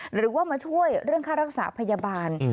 หรือว่ามาช่วยเรื่องค่ารักษาพยาบาล